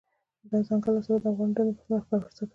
دځنګل حاصلات د افغان نجونو د پرمختګ لپاره فرصتونه برابروي.